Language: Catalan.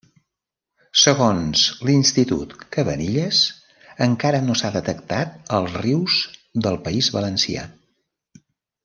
Segons l'Institut Cavanilles encara no s'ha detectat als rius del País Valencià.